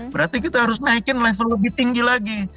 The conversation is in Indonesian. berarti kita harus naikin level lebih tinggi lagi